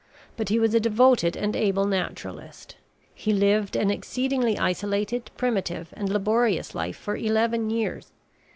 But he was a devoted and able naturalist. He lived an exceedingly isolated, primitive, and laborious life for eleven years.